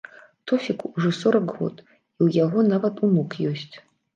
Тофіку ўжо сорак год і ў яго нават унук ёсць.